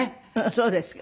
そうですか。